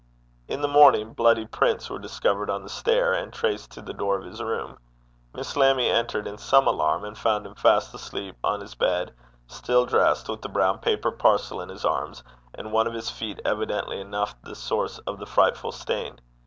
In the morning bloody prints were discovered on the stair, and traced to the door of his room. Miss Lammie entered in some alarm, and found him fast asleep on his bed, still dressed, with a brown paper parcel in his arms, and one of his feet evidently enough the source of the frightful stain.